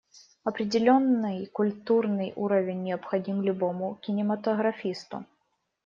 Определенный культурный уровень необходим любому кинематографисту.